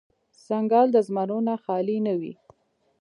ـ ځنګل د زمرو نه خالې نه وي.